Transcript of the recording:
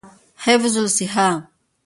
حفظی الصیحه